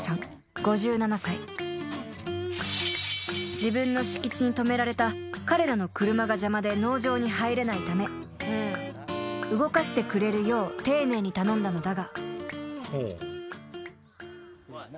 ［自分の敷地に止められた彼らの車が邪魔で農場に入れないため動かしてくれるよう丁寧に頼んだのだが］